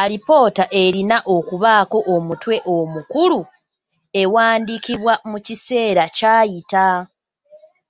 Alipoota erina okubaako omutwe omukulu, ewandiikibwa mu kiseera kyayita.